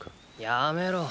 やめろ。